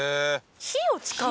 火を使うの？